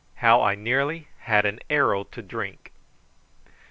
HOW I NEARLY HAD AN ARROW TO DRINK.